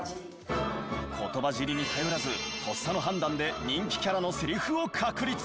言葉尻に頼らずとっさの判断で人気キャラのセリフを確立。